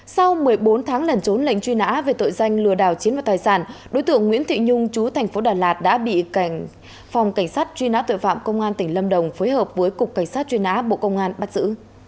sau một mươi bốn tháng lần trốn lệnh truy nã về tội danh lừa đảo chiến mặt tài sản đối tượng nguyễn thị nhung chú thành phố đà lạt đã bị phòng cảnh sát truy nã tội phạm công an tỉnh lâm đồng phối hợp với cục cảnh sát truy nã bộ công an bắt giữ